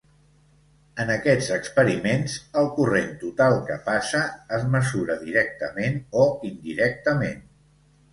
En aquests experiments, el corrent total que passa es mesura directament o indirectament.